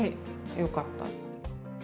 よかった。